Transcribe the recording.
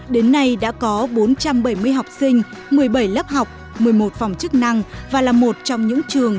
đến nay đã có bốn trăm bảy mươi học sinh một mươi bảy lớp học một mươi một phòng chức năng và là một trong những trường